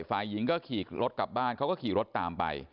ฝ่ายหญิงก็ขี่รถกลับบ้านเขาก็ขี่รถตามไป